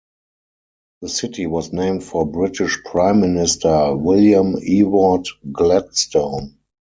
The city was named for British Prime Minister William Ewart Gladstone.